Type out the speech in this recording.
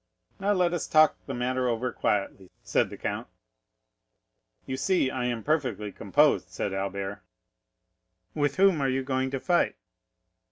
"Now let us talk the matter over quietly," said the count. "You see I am perfectly composed," said Albert. "With whom are you going to fight?"